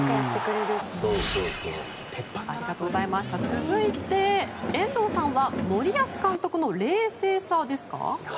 続いて、遠藤さんは森保監督の冷静さですか。